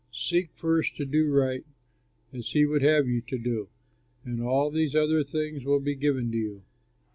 Seek first to do right as he would have you do, and all these other things will be given to you.